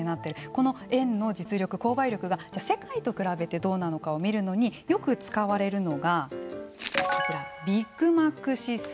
この円の実力購買力が世界と比べてどうなのかを見るのによく使われるのがビッグマック指数。